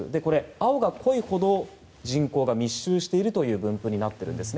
青が濃いほど人口が密集しているという分布になっています。